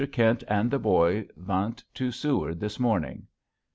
Kint and the Boy vant to seward this morning.